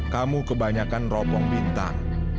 kamu kebanyakan ropong bintang